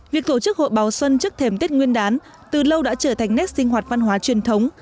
việc tổ chức hội báo xuân trước thềm tết nguyên đán từ lâu đã trở thành nét sinh hoạt văn hóa truyền thống